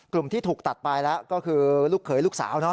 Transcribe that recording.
กลุ่มที่ถูกตัดไปแล้วก็คือลูกเขยลูกสาว